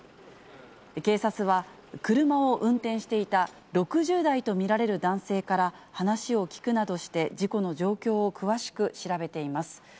警察は、車を運転していた６０代と見られる男性から話を聞くなどして、事故の状況を詳しく調べています。